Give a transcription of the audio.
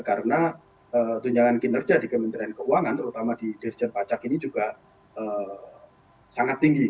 karena tunjangan kinerja di kementerian keuangan terutama di dirjen pajak ini juga sangat tinggi